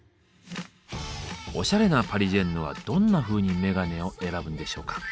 おしゃれなパリジェンヌはどんなふうにメガネを選ぶんでしょうか。